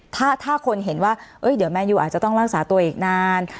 ถ้าคนเห็นว่าเดี๋ยวแมนยูอาจจะต้องรักษาตัวอีกนาน